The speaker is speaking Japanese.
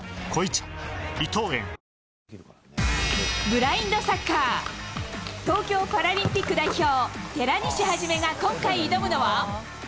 ブラインドサッカー、東京パラリンピック代表、寺西一が今回挑むのは。